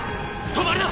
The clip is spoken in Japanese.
止まるな！